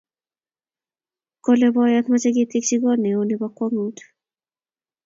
kole boyot mache ketekchi kot neo nebo kwangut